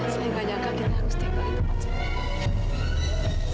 saya banyak kaget harus tinggal di tempat sendiri